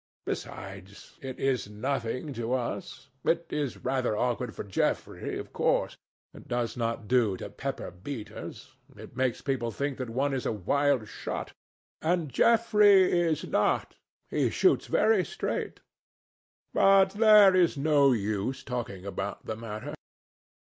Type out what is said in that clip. Besides, it is nothing to us. It is rather awkward for Geoffrey, of course. It does not do to pepper beaters. It makes people think that one is a wild shot. And Geoffrey is not; he shoots very straight. But there is no use talking about the matter."